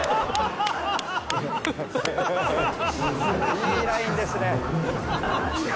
いいラインですね。